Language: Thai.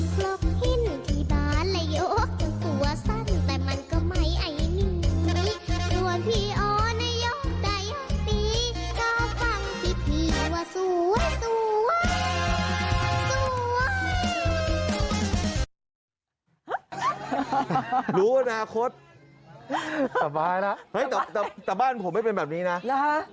พี่เป็นคนให้เนี่ยแกบอกว่าของใช้จำเป็นทั้งนั้น